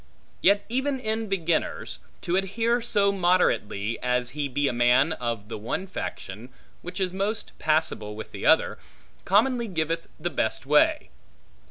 Yet even in beginners, to adhere so moderately, as he be a man of the one faction, which is most passable with the other, commonly giveth best way.